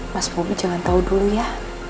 mas bobi jangan tahu dulu ya